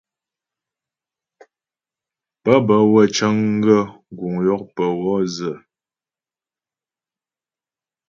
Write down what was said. Pə́ bə́ wə́ cəŋ gaə́ guŋ yɔkpə wɔ dzə.